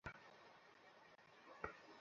আমাদের জীবন নেওয়ার অধিকার নেই, জহির।